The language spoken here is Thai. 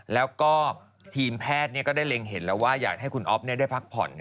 แล้วก็ทีมแพทย์ก็ได้เล็งเห็นแล้วว่าอยากให้คุณอ๊อฟได้พักผ่อน